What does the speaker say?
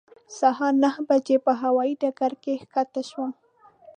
سهار نهه بجې په هوایې ډګر کې ښکته شوم.